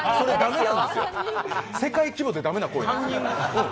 世界規模で駄目な行為なんですよ。